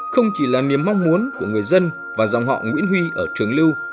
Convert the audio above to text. không chỉ là niềm mong muốn của người dân và dòng họ nguyễn huy ở trường lưu